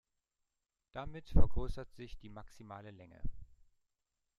Damit vergrößert sich die maximale Länge.